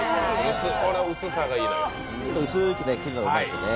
ちょっと薄く切るのがうまいですね。